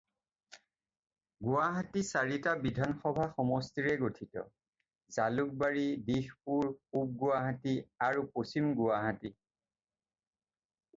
গুৱাহাটী চাৰিটা বিধান সভা সমষ্টিৰে গঠিত: জালুকবাৰী, দিশপুৰ, পূব গুৱাহাটী আৰু পশ্চিম গুৱাহাটী।